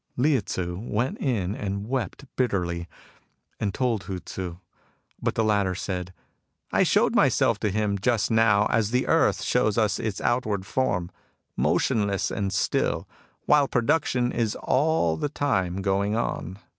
Lieh Tzu went in and wept bitterly, and told Hu Tzu ; but the latter said :" I showed myself to him just now as the earth shows us its outward form, motionless and still, while production is all the time going on.